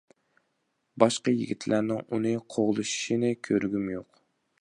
باشقا يىگىتلەرنىڭ ئۇنى قوغلىشىشىنى كۆرگۈم يوق.